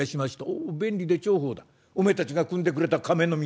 「お便利で重宝だおめえたちがくんでくれたかめの水」。